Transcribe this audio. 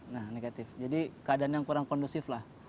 nah negatif jadi keadaan yang kurang kondusif lah